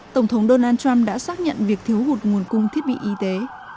tổng thống donald trump đã xác nhận việc thiếu hụt nguồn cung thiết bị y tế